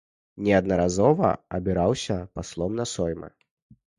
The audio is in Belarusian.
Неаднаразова абіраўся паслом на соймы.